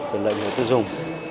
thương mại người tư dùng